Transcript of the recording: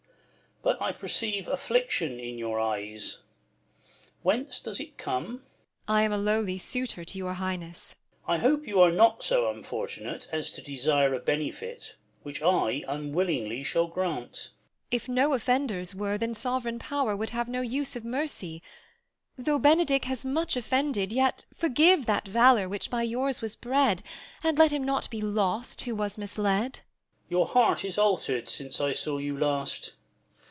But I perceive Affliction in your eyes. Whence does it come ? Beat. I am a lowly suitor to your Highness. Duke. I hope you are not so unfortunate As to desire a benefit, which I Unwillingly shall grant. Beat. If no offenders were, then sov'reign pow'r Would have no use of mercy : Though Benedick has much offended, yet Forgive that valour which by yours Avas bred ; And let him not be lost who was misled. Duke. Your heart is alter'd since I saw you last.